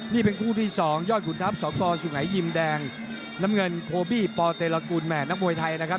นี่เป็นคู่ที่๒ยอดขุนทัพสกสุงัยยิมแดงน้ำเงินโคบี้ปเตรกุลแห่นักมวยไทยนะครับ